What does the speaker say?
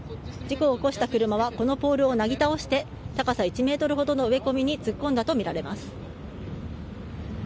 事故を起こした車はこのポールをなぎ倒して高さ１ｍほどの植え込みに突っ込んだとみられます。